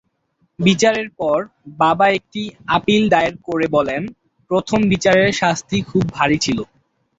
বিচারের পর, বাবা একটি আপিল দায়ের করে বলেন, প্রথম বিচারের শাস্তি খুব ভারী ছিল।